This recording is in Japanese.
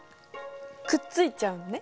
くっついちゃうのね。